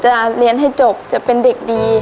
จะเรียนให้จบจะเป็นเด็กดี